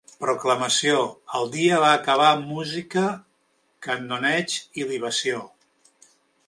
"Proclamació - el dia va acabar amb música, canoneig i libació.